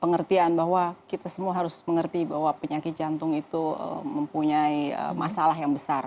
pengertian bahwa kita semua harus mengerti bahwa penyakit jantung itu mempunyai masalah yang besar